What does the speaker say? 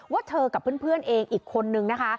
ว่าเธอกับเพื่อนเองอีกคนนึงนะคะ